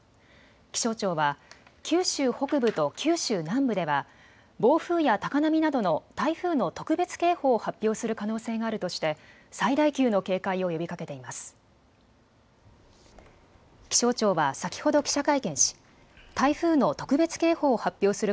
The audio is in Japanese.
気象庁は九州北部と九州南部では暴風や高波などの台風の特別警報を発表する可能性があるとして最大級の警戒を呼びかけています。